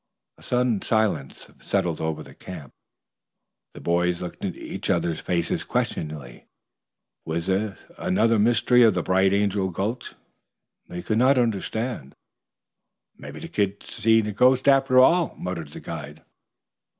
A sudden silence settled over the camp. The boys looked into each other's faces questioningly. Was this another mystery of the Bright Angel Gulch? They could not understand. "Mebby the kid did see a ghost after all," muttered the guide.